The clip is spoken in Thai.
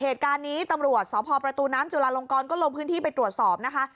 เหตุการณ์นี้ตำรวจสพประตูน้ำจุลาลงกรก็ลงพื้นที่ไปตรวจสอบนะคะ